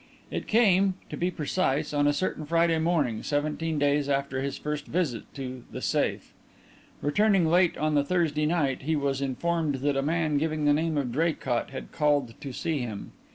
It came, to be precise, on a certain Friday morning, seventeen days after his first visit to "The Safe." Returning late on the Thursday night, he was informed that a man giving the name of Draycott had called to see him.